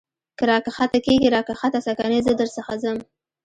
که را کښته کېږې را کښته سه کنې زه در څخه ځم.